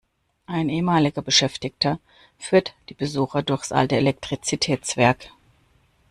Ein ehemaliger Beschäftigter führt die Besucher durchs alte Elektrizitätswerk.